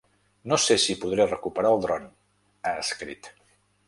No sé si podré recuperar el dron, ha escrit.